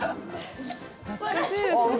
懐かしいですよね。